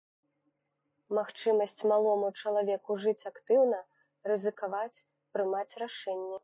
Магчымасць малому чалавеку жыць актыўна, рызыкаваць, прымаць рашэнні.